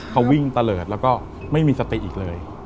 เขาวิ่งตะเลิศแล้วก็ไม่มีสติอีกเลย